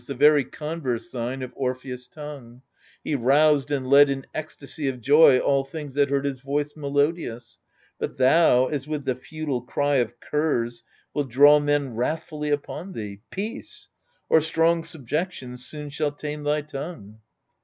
The very converse, thine, of Orpheus' tongue : He roused and led in ecstasy of joy All things that heard his voice melodious ; But thou as with the futile cry of curs Wilt draw men wrathfully upon thee. Peace I Or strong subjection soon shall tame thy tongue.